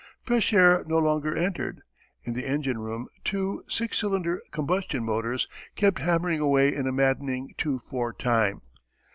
Fresh air no longer entered. In the engine room two 6 cylinder combustion motors kept hammering away in a maddening two four time.